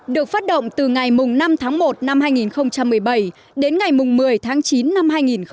được phát động từ ngày năm tháng một năm hai nghìn một mươi bảy đến ngày một mươi tháng chín năm hai nghìn một mươi tám